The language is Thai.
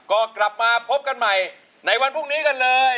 ก็กลับมาพบกันใหม่ในวันพรุ่งนี้กันเลย